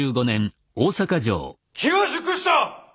機は熟した！